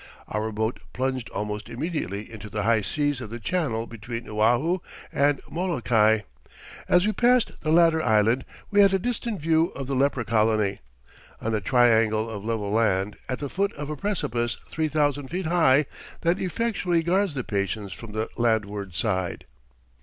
Our boat plunged almost immediately into the high seas of the channel between Oahu and Molokai. As we passed the latter island, we had a distant view of the leper colony, on a triangle of level land, at the foot of a precipice three thousand feet high that effectually guards the patients from the landward side.